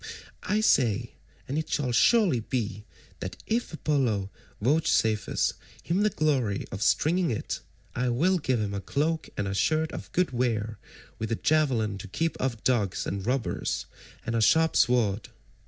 I say—and it shall surely be—that if Apollo vouchsafes him the glory of stringing it, I will give him a cloak and shirt of good wear, with a javelin to keep off dogs and robbers, and a sharp sword.